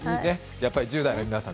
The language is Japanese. やっぱり１０代の皆さん